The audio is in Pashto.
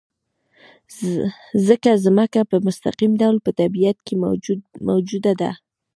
ځکه ځمکه په مستقیم ډول په طبیعت کې موجوده ده.